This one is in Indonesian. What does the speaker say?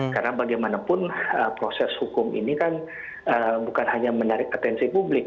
karena bagaimanapun proses hukum ini kan bukan hanya menarik atensi publik